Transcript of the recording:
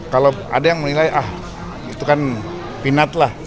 kalau ada yang menilai ah itu kan pinat lah